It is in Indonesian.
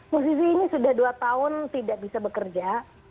musisi ini sudah dua tahun tidak bisa bekerja